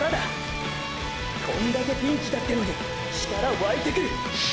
こんだけピンチだってのに力湧いてくる！